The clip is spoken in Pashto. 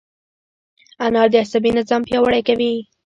انار د عصبي نظام پیاوړی کوي.